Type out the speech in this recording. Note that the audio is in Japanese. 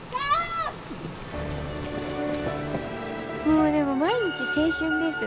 もうでも毎日青春です。